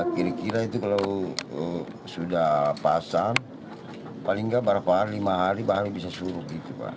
kira kira itu kalau sudah pasang paling nggak berapa hari lima hari baru bisa suruh gitu pak